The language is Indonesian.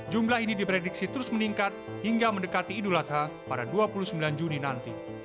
jumlah ini diprediksi terus meningkat hingga mendekati idul adha pada dua puluh sembilan juni nanti